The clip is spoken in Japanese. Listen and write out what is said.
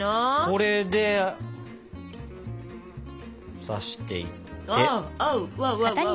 これで刺していって。